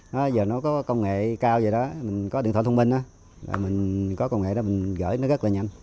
bây giờ nó có công nghệ cao vậy đó mình có điện thoại thông minh đó là mình có công nghệ đó mình gửi nó rất là nhanh